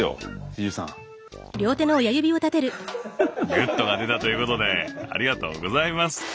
グッドが出たということでありがとうございます。